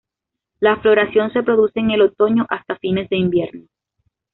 La floración se produce en el otoño hasta fines de invierno.